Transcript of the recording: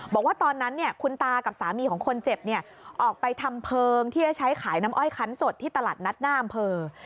บอกว่าตอนนั้นคุณตากับสามีของคนเจ็บเนี่ยออกไปทำเพลิงที่จะใช้ขายน้ำอ้อยคันสดที่ตลาดนัดหน้าอำเภอ